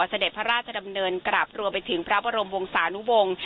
เสด็จพระราชดำเนินกลับรวมไปถึงพระบรมวงศานุวงศ์